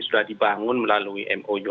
sudah dibangun melalui mou